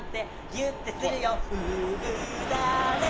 「ギュッてするよ初心だね」